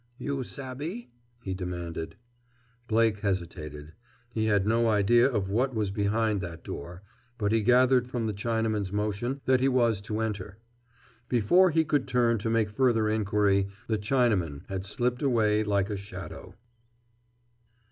"You sabby?" he demanded. Blake hesitated. He had no idea of what was behind that door, but he gathered from the Chinaman's motion that he was to enter. Before he could turn to make further inquiry the Chinaman had slipped away like a shadow.